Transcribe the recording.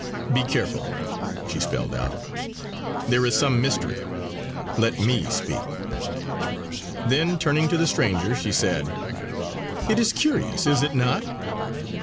"Be careful!" she spelled out "there is some mystery! Let me speak." Then turning to the stranger she said: "It is curious is it not?"